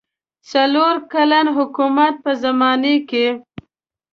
څلور کلن حکومت په زمانه کې.